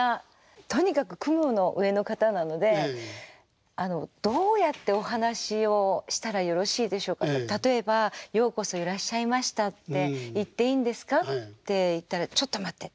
とにかく雲の上の方なので「あのどうやってお話をしたらよろしいでしょうか？」と「例えば『ようこそいらっしゃいました』って言っていいんですか？」って言ったら「ちょっと待って」。